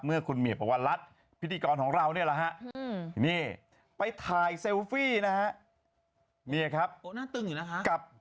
เมื่อคุณเมียปวันรัฐพิธีกรของเราเนี่ยแหละครับ